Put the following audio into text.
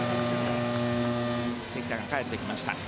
関田が帰ってきました。